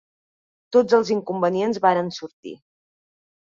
Tots els inconvenients varen sortir